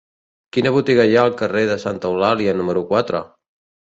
Quina botiga hi ha al carrer de Santa Eulàlia número quatre?